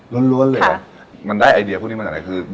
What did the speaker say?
ล้วนเลยค่ะมันได้ไอเดียพวกนี้มันอะไรคือ